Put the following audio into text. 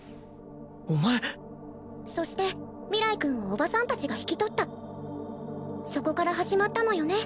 お前そして明日君を叔母さん達が引き取ったそこから始まったのよね